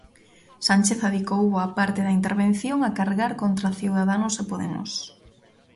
Sánchez adicou boa parte da intervención a cargar contra Ciudadanos e Podemos.